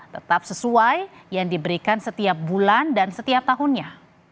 tetap sesuai yang diberikan setiap bulan dan setiap tahunnya